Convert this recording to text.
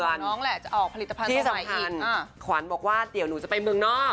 เป็นเดือนสองเดือนที่สำคัญขวัญบอกว่าเดี๋ยวหนูจะไปเมืองนอก